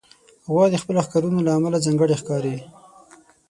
غوا د خپلو ښکرونو له امله ځانګړې ښکاري.